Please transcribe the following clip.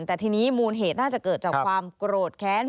แต่ทีนี้มูลเหตุน่าจะเกิดจากความโกรธแค้น